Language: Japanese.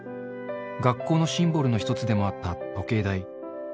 学校のシンボルの一つでもあった時計台。